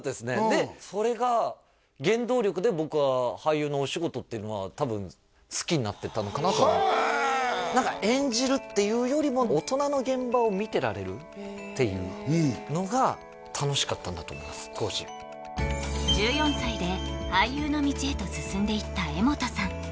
でそれが原動力で僕は俳優のお仕事っていうのは多分好きになってったのかなとへえ何か演じるっていうよりもんだと思います当時１４歳で俳優の道へと進んでいった柄本さん